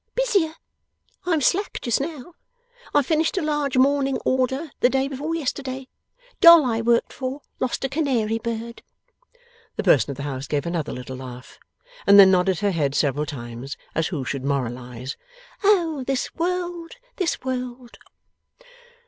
'Busier. I'm slack just now. I finished a large mourning order the day before yesterday. Doll I work for, lost a canary bird.' The person of the house gave another little laugh, and then nodded her head several times, as who should moralize, 'Oh this world, this world!